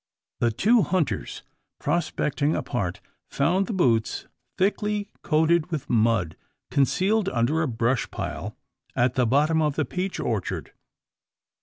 The two hunters, "prospecting" apart, found the boots thickly coated with mud, concealed under a brush pile, at the bottom of the peach orchard.